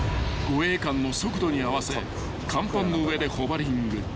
［護衛艦の速度に合わせ甲板の上でホバリング］